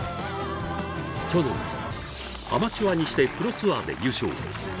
去年、アマチュアにしてプロツアーで優勝。